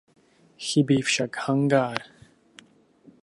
Chybí však hangár.